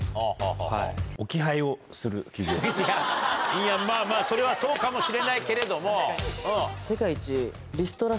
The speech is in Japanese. いやいやまぁまぁそれはそうかもしれないけれどもうん。